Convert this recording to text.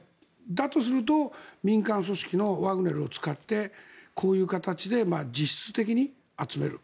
だとすると民間組織のワグネルを使ってこういう形で実質的に集める。